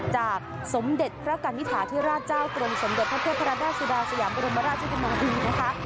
จากสมเด็จพระกาศนิษฐาเทศราชเจ้าตนสำเด็จพระเทศพระราชราชสุดาสยามพุทธมราชสุธรมาภีนะคะ